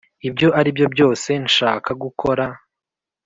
ibyo aribyo byose nshaka gukora.